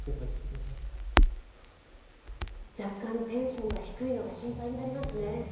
若干テンションが低いのが心配になりますね。